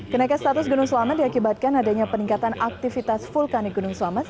kenaikan status gunung selamat diakibatkan adanya peningkatan aktivitas vulkanik gunung selamat